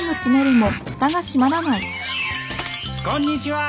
こんにちはー。